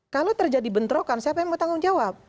kalau terjadi bentrokan siapa yang mau tanggung jawab